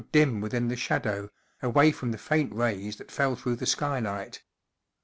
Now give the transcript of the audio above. dim within the shadow, away from the faint rays that fell through the skylight.